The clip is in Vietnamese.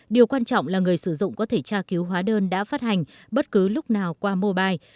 điều quan trọng là người sử dụng có thể tra cứu hóa đơn đã phát hành bất cứ lúc nào qua mobile